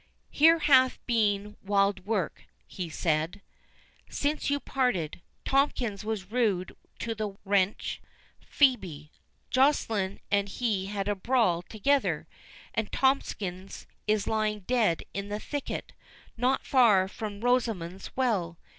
"Here hath been wild work," he said, "since you parted. Tomkins was rude to the wench Phœbe—Joceline and he had a brawl together, and Tomkins is lying dead in the thicket, not far from Rosamond's Well.